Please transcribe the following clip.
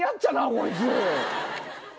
こいつ。